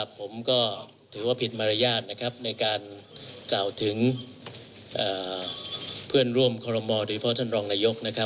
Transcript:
ผมถือว่าผิดมารยาทในการกล่าวถึงเพื่อนร่วมคอลมดรเราตอนนี้